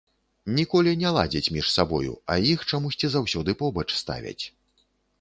Ніколі не ладзяць між сабою, а іх чамусьці заўсёды побач ставяць.